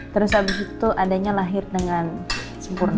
terus habis itu adanya lahir dengan sempurna